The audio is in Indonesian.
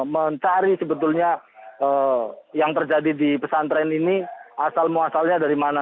mencari sebetulnya yang terjadi di pesantren ini asal muasalnya dari mana